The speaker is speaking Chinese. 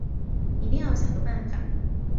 一定要想个办法